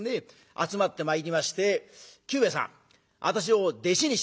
集まってまいりまして「久兵衛さん私を弟子にして下さい。